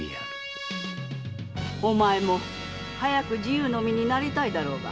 お前も早く自由の身になりたいだろうが。